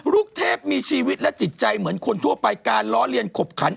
ลูกเทพมีชีวิตและจิตใจเหมือนคนทั่วไปการล้อเลียนขบขัน